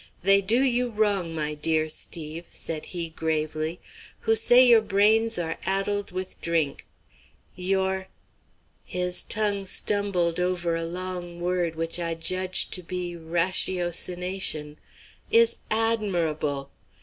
"They do you wrong, my dear Steve," said he, gravely, "who say your brains are addled with drink. Your" his tongue stumbled over a long word which I judged to be "ratiocination" "is admirable.